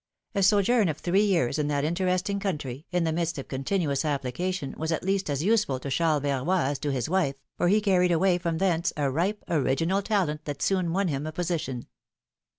A sojourn of three years in that interesting country, in the midst of continuous application, was at least as use ful to Charles Verroy as to his wife, for he carried away from thence a ripe, original talent that soon won him a position.